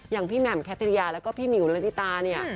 อย่างพี่แหม่มแคทริยาแล้วก็พี่หิวละนิตาเนี่ย